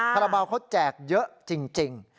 คาราบาลเขาแจกเยอะจริง